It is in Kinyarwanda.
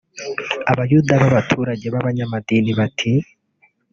Abayuda b’abaturage b’abanyamadini bati